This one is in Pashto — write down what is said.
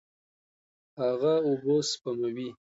هغه اوبه سپموي.